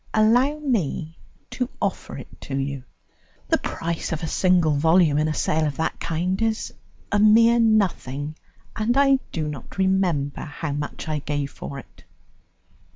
"Allow me to offer it to you. The price of a single volume in a sale of that kind is a mere nothing, and I do not remember how much I gave for it."